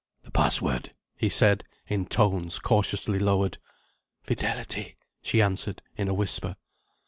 "The password," he said, in tones cautiously lowered. "Fidelity," she answered in a whisper.